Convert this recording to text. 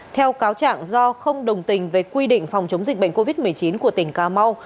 theo cáo trạng do không đồng tình về quy định phòng chống dịch bệnh covid một mươi chín của tỉnh cà mau